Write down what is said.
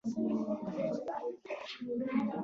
په ختیځ کې تر ټونس، مصر او عربي ټاپو وزمې پورې رسېدلې وې.